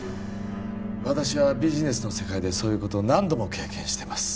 私はビジネスの世界でそういうことを何度も経験してます